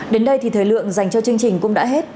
đến đây thì thời lượng dành cho chương trình cũng đã hết